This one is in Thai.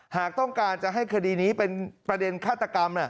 หากต้องการจะให้คดีนี้เป็นประเด็นฆาตกรรม